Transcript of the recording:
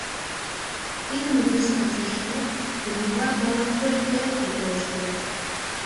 Тидым изиш ончыштмек, Иллимар барон пӧрт ер деке ошкыльо.